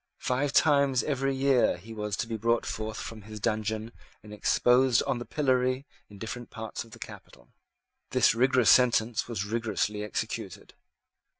Five times every year he was to be brought forth from his dungeon and exposed on the pillory in different parts of the capital. This rigorous sentence was rigorously executed.